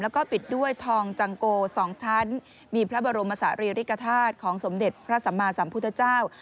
แล้วก็ปิดด้วยทองจังโก๒ชั้นมีพระบรมศาลีริกฐาตุของสมเด็จพระสัมมาสัมพุทธเจ้า